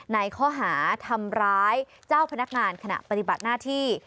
ในข้อหาทำร้ายเจ้าพนักงานขณะปฏิบัติหน้าที่